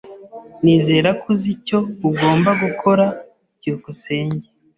Nizera ko uzi icyo ugomba gukora. byukusenge